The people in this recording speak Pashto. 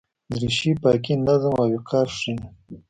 دریشي پاکي، نظم او وقار ښيي.